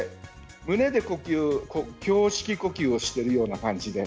胸で呼吸胸式呼吸をしている感じで。